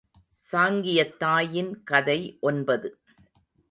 சாங்கியத் தாயின் கதை ஒன்பது.